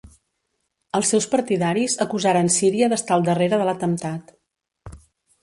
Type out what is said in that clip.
Els seus partidaris acusaren Síria d'estar al darrere de l'atemptat.